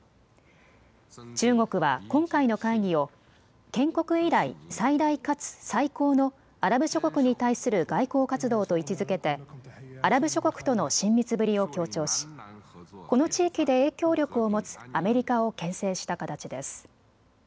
中国は今回の会議を建国以来、最大かつ最高のアラブ諸国に対する外交活動と位置づけてアラブ諸国との親密ぶりを強調しこの地域で影響力を持つアメリカをけん制した形です。